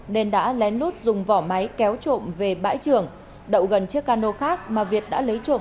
nên đã lén lút dùng vỏ máy kéo trộm về bãi trường đậu gần chiếc cano khác mà việt đã lấy trộm